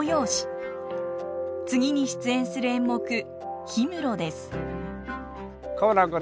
次に出演する演目「氷室」です。